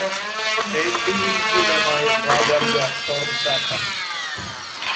Es biju viņu iedomājies labi apģērbtu, formas tērpā.